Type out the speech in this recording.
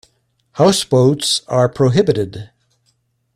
Houseboats are prohibited.